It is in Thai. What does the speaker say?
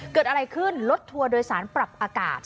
เกิดอะไรขึ้นรถทัวร์โดยสารปรับอากาศ